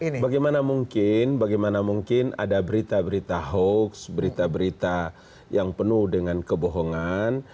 bagaimana mungkin bagaimana mungkin ada berita berita hoax berita berita yang penuh dengan kebohongan